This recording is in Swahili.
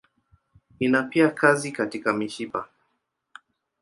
Ina pia kazi katika mishipa.